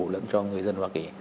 lẫn cho người dân hoa kỳ